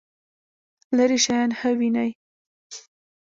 لرې شیان ښه وینئ؟